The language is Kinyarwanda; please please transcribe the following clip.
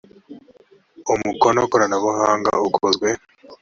umukono koranabuhanga ukozwe